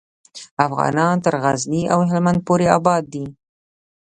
افغانان تر غزني او هیلمند پورې آباد دي.